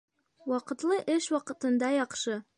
Ваҡытлы эш ваҡытында яҡшы.